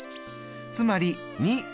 つまり２。